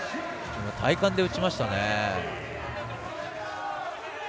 体幹で打ちましたね。